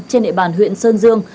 trên địa bàn huyện sơn dương